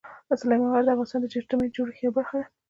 سلیمان غر د افغانستان د اجتماعي جوړښت یوه برخه ده.